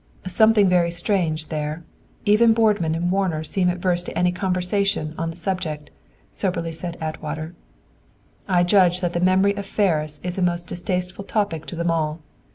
"Something very strange there! Even Boardman and Warner seemed averse to any conversation upon the subject," soberly said Atwater. "I judge that the memory of Ferris is a most distasteful topic to them all.